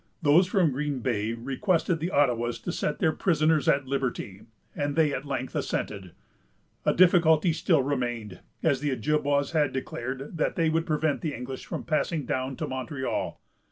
Those from Green Bay requested the Ottawas to set their prisoners at liberty, and they at length assented. A difficulty still remained, as the Ojibwas had declared that they would prevent the English from passing down to Montreal.